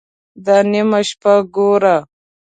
_دا نيمه شپه ګوره!